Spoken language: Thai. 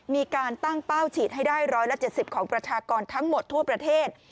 มีการตั้งเป้าฉีดให้ได้๑๗๐ของประชากรทั้งหมดทั่วประเทศ